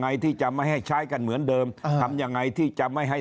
ไงที่จะไม่ให้ใช้กันเหมือนเดิมอ่าทำยังไงที่จะไม่ให้